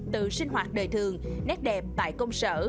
từ sinh hoạt đời thường nét đẹp tại công sở